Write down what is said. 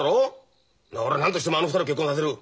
俺は何としてもあの２人を結婚させる。